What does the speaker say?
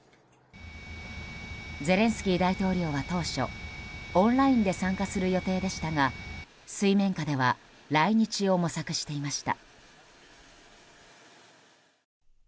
ゼレンスキー大統領は当初オンラインで参加する予定でしたが水面下では来日を模索していました。